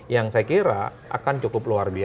yang saya kira akan cukup luar biasa